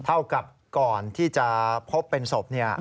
เท่ากับก่อนที่จะพบเป็นศพ